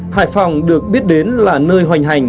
hải phòng được biết đến là nơi hoành hành